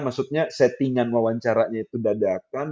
maksudnya settingan wawancaranya itu dadakan